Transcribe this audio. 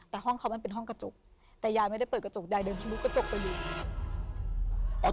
แต่ห้องเขามันเป็นห้องกระจกแต่ยายไม่ได้เปิดกระจกใดเดินพี่มุกกระจกไปอยู่